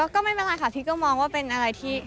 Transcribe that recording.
ก็ไม่เป็นไรค่ะพีชก็มองว่าเป็นอะไรที่